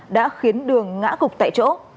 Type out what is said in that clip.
đã khiến đường ngã cục tại chỗ